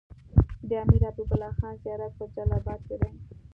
د امير حبيب الله خان زيارت په جلال اباد کی دی